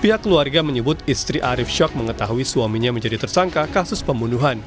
pihak keluarga menyebut istri arief syok mengetahui suaminya menjadi tersangka kasus pembunuhan